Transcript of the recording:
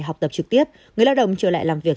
học tập trực tiếp người lao động trở lại làm việc